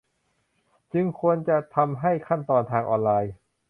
จึงควรจะทำให้ขั้นตอนทางออนไลน์